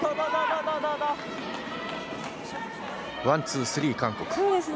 ワン、ツー、スリー、韓国。